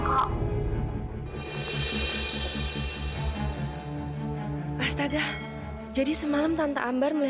loh mereka bilang ketist sunduk stunduk juga sama fadil